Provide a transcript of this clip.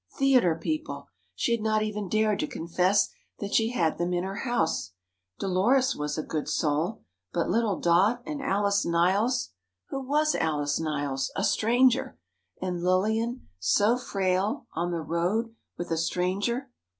Theatre people! She had not even dared to confess that she had them in her house. Dolores was a good soul ... but little Dot ... and Alice Niles—who was Alice Niles? A stranger! And Lillian, so frail ... on the road ... with a stranger!!!